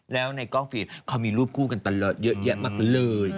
แล้วในกล้องฟิล์มเขามีรูปคู่กันตลอดเยอะแยะมากเลย